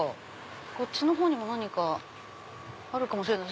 こっちの方にも何かあるかもしれない。